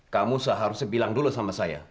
kamu seharusnya bilang dulu sama saya